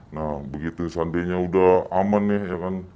nah begitu seandainya udah aman ya kan